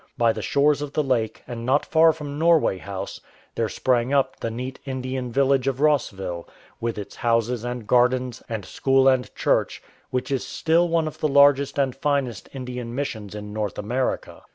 By the shores of the Lake, and not far from Norway House, there sprang up the neat Indian village of llossville, with its houses and gardens and school and church, which is still one of the largest and finest Indian missions in North America.